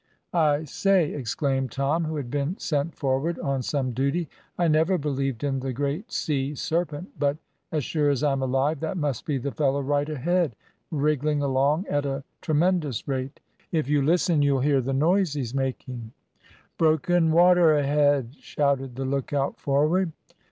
"I say," exclaimed Tom, who had been sent forward on some duty, "I never believed in the great sea serpent, but, as sure as I'm alive, that must be the fellow right ahead, wriggling along at a tremendous rate! If you listen you'll hear the noise he's making!" "Broken water ahead!" shouted the lookout forward.